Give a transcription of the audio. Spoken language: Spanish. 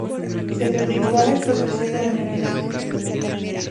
Se dedicó a la explotación de la minería.